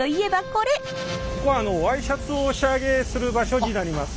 ここはワイシャツをお仕上げする場所になります。